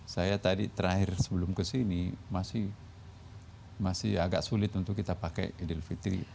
saya tadi terakhir sebelum kesini masih agak sulit untuk kita pakai idul fitri